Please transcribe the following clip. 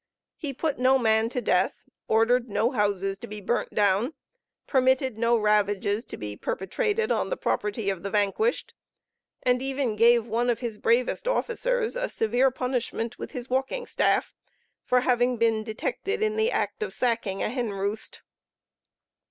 He put no man to death, ordered no houses to be burnt down, permitted no ravages to be perpetrated on the property of the vanquished, and even gave one of his bravest officers a severe punishment with his walking staff, for having been detected in the act of sacking a hen roost.